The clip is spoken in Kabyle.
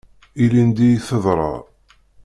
Ilinidi i d-teḍra.